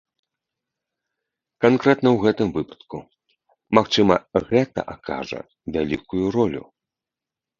Канкрэтна ў гэтым выпадку, магчыма, гэта акажа вялікую ролю.